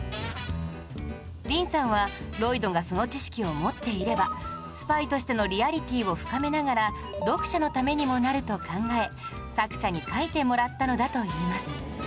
林さんはロイドがその知識を持っていればスパイとしてのリアリティを深めながら読者のためにもなると考え作者に描いてもらったのだといいます